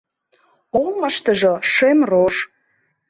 Олмыштыжо шем рож.